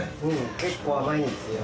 結構甘いんですよ。